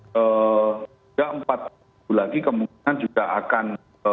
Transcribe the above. sudah empat tahun lagi kemungkinan juga akan